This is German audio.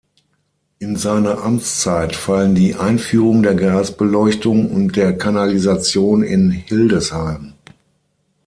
In seine Amtszeit fallen die Einführung der Gasbeleuchtung und der Kanalisation in Hildesheim.